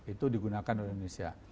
itu digunakan oleh indonesia